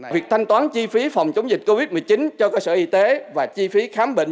việc thanh toán chi phí phòng chống dịch covid một mươi chín cho cơ sở y tế và chi phí khám bệnh